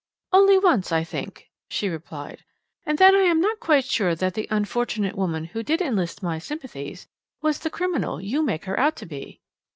"Only once, I think," she replied, "and then I am not quite sure that the unfortunate woman who did enlist my sympathies was the criminal you make her out to be."